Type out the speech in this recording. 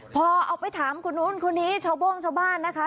พอเอาไปถามคนนู้นคนนี้ชาวโบ้งชาวบ้านนะคะ